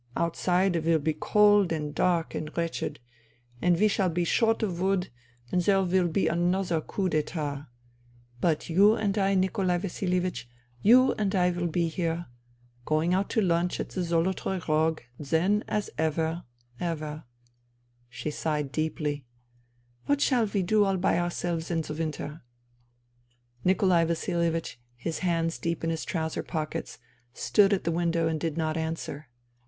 Outside it will be cold and dark and wretched, and we shall be short of wood, and there will be another coup d'itat But you and I, Nikolai Vasilievich, you and I will be here ... going out to lunch at the ' Zolotoy Rog ' then as ever ... ever !..." She sighed deeply. " What shall we do all by ourselves in the winter ?" Nikolai Vasilievich, his hands deep in his trouser pockets, stood at the window and did not answer.